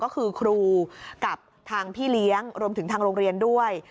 ก็คือครูกับทางพี่เลี้ยงรวมถึงทางโรงเรียนด้วย